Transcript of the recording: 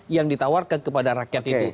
yang ditawarkan kepada rakyat itu